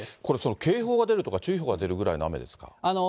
これ、警報が出るとか注意報が出るぐらいの雨ですか？